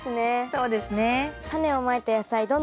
そうですね。